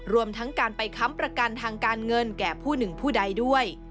รวมทั้งการไปค้ำประกันทางการเงินแก่ผู้หนึ่งผู้ใดด้วย